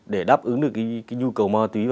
để đáp ứng được nhu cầu ma túy